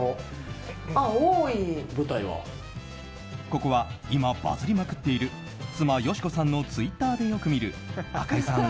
ここは今、バズりまくっている妻・佳子さんのツイッターでよく見る赤井さん